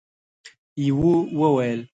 يوه وويل: